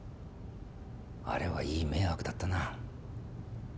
あれはいい迷惑だったなぁ。